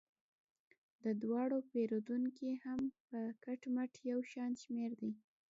د دواړو پیرودونکي هم په کټ مټ یو شان شمیر دي.